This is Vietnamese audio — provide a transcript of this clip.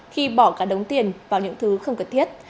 khi bỏ cả đống tiền vào những thứ không cần thiết